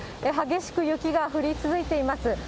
激しく雪が降り続いています。